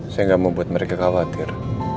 saya gak mau buat mereka khawatir